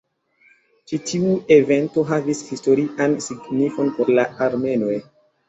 Ĉi tiu evento havis historian signifon por la armenoj.